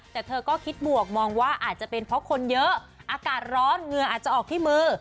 แต่เธอก็คิดบวกมองว่าอาจจะเป็นเพราะคนเยอะอากาศร้อนเหงื่ออาจจะออกที่มือ